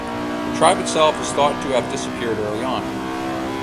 The tribe itself is thought to have disappeared early on.